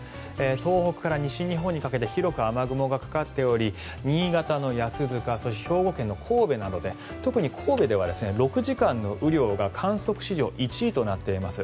東北から西日本にかけて広く雨雲がかかっており新潟や兵庫県の神戸などで６時間の雨量が観測史上１位となっています。